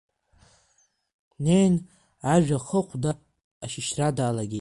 Днеин ажә ахы-ахәда ашьышьра далагеит.